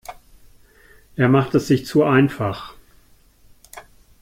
Er macht es sich zu einfach.